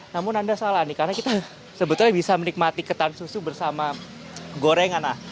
namun anda salah nih karena kita sebetulnya bisa menikmati ketan susu bersama gorengan